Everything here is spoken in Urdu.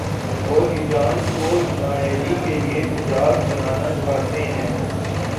وہ ہیجان کو نا اہلی کے لیے حجاب بنانا چاہتے ہیں۔